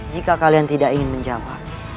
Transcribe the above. jika kalian tidak ingin menjawab